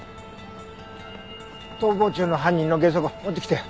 逃亡中の犯人のゲソ痕持ってきたよ。